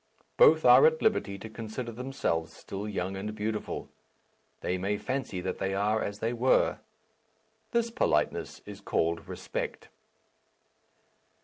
Both are at liberty to consider themselves still young and beautiful. They may fancy that they are as they were. This politeness is called respect.